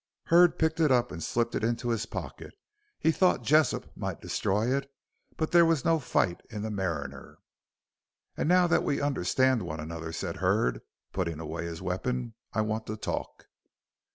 Hurd picked it up and slipped it into his pocket. He thought Jessop might destroy it; but there was no fight in the mariner. "And now that we understand one another," said Hurd, putting away his weapon, "I want to talk."